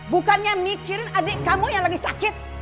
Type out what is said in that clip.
bukannya mikirin adik kamu yang lagi sakit